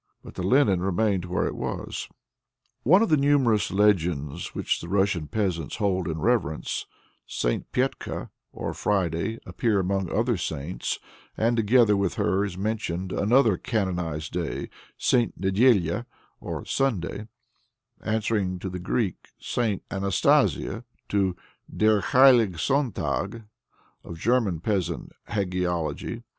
But the linen remained where it was. In one of the numerous legends which the Russian peasants hold in reverence, St. Petka or Friday appears among the other saints, and together with her is mentioned another canonized day, St. Nedélya or Sunday, answering to the Greek St. Anastasia, to Der heilige Sonntag of German peasant hagiology.